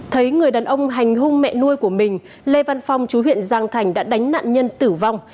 thấy người đàn ông hành hung mẹ nuôi của mình lê văn phong chú huyện giang thành đã đánh nạn nhân tử vong